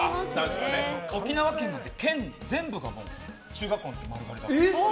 沖縄県なんて県全部が中学校の時、丸刈りだった。